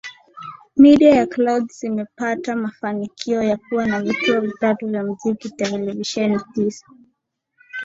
media ya Clouds imepata mafanikio ya kuwa na Vituo vitatu vya muziki televisheni tisa